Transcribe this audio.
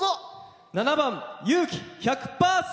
７番「勇気１００％」。